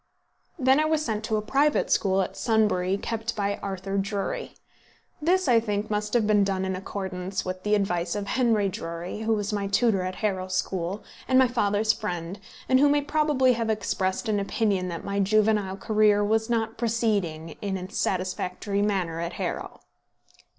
Then I was sent to a private school at Sunbury, kept by Arthur Drury. This, I think, must have been done in accordance with the advice of Henry Drury, who was my tutor at Harrow School, and my father's friend, and who may probably have expressed an opinion that my juvenile career was not proceeding in a satisfactory manner at Harrow.